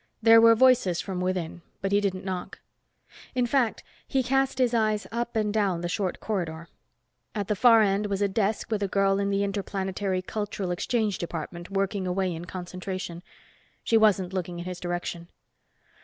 There were voices from within, but he didn't knock. In fact, he cast his eyes up and down the short corridor. At the far end was a desk with a girl in the Interplanetary Cultural Exchange Department working away in concentration. She wasn't looking in his direction.